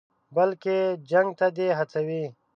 بلکې جنګ ته دې هڅوي.